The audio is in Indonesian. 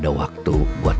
biar saya disini aja